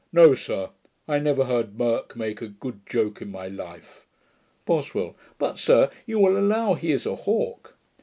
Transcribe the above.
'No, sir; I never heard Burke make a good joke in my life.' BOSWELL. 'But, sir, you will allow he is a hawk.'